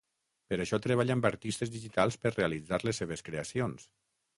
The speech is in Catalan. Per això treballa amb artistes digitals per realitzar les seves creacions.